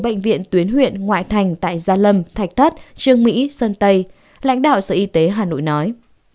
bệnh viện tuyến huyện ngoại thành tại gia lâm thạch thất trương mỹ sơn tây lãnh đạo sở y tế hà nội nói